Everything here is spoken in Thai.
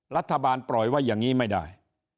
รัฐบาลปล่อยไว้อย่างนี้ไม่ได้